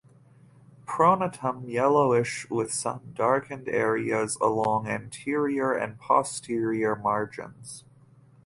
Pronotum yellowish with some darkened areas along anterior and posterior margins.